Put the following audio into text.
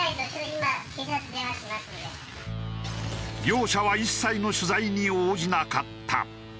業者は一切の取材に応じなかった。